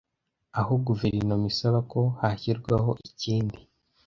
aho Guverinoma isaba ko hashyirwaho ikindi